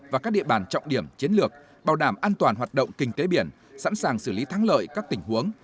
và các địa bàn trọng điểm chiến lược bảo đảm an toàn hoạt động kinh tế biển sẵn sàng xử lý thắng lợi các tình huống